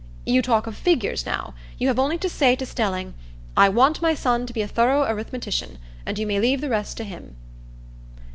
You talk of figures, now; you have only to say to Stelling, 'I want my son to be a thorough arithmetician,' and you may leave the rest to him."